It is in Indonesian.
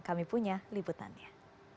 kami punya liputannya